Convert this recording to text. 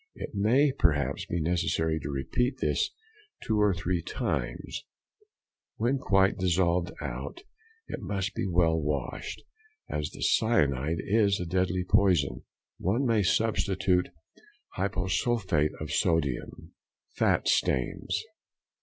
It may perhaps be necessary to repeat this two or three times; when quite dissolved out, it must be well washed. As the cyanide is a deadly poison, one may substitute hyposulphite of sodium. _Fat stains.